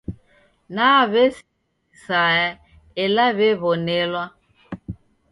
Na w'esimwa kisaya ela w'ew'onelwa.